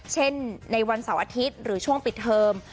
เช่นในวันเสาร์อาทิตย์หรือช่วงปิดเทอม